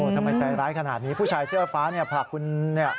ทำไมใจร้ายขนาดนี้ผู้ชายเสื้อฟ้าผากหนึ่ง